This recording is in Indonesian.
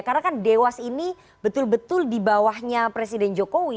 karena kan dewas ini betul betul di bawahnya presiden jokowi